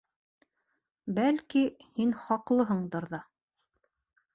Бәлки, һин хаҡлыһыңдыр ҙа.